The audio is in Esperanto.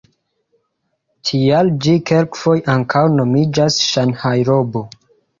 Tial ĝi kelkfoje ankaŭ nomiĝas Ŝanhajrobo.